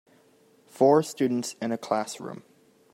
Four students in a classroom.